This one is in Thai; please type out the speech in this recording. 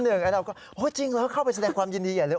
แล้วเราก็จริงเหรอเข้าไปแสดงความยินดีอย่าเลย